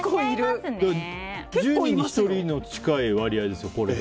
１０人に１人に近い割合ですよ。